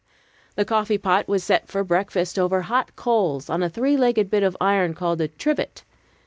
The coffee pot was set for breakfast over hot coals, on a three legged bit of iron called a "trivet."